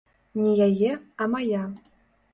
Не яе, а мая.